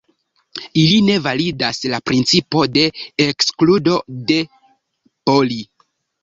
Ili ne validas la principo de ekskludo de Pauli.